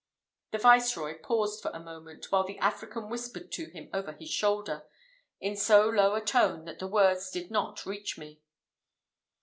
The viceroy paused for a moment, while the African whispered to him over his shoulder, in so low a tone that the words did not reach me.